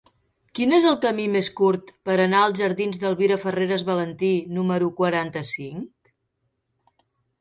Quin és el camí més curt per anar a la jardins d'Elvira Farreras Valentí número quaranta-cinc?